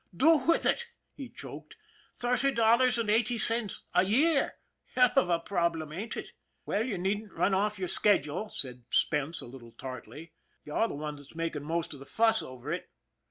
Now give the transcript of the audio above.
"Do with it!" he choked. "Thirty dollars and eighty cents a year. Hell of a problem, ain't it? "" Well, you needn't run off your schedule," said Spence, a little tartly. " You're the one that's making most of the fuss over it."